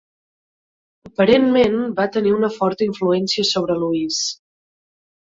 Aparentment va tenir una forta influència sobre Louis.